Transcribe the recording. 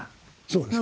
そうです。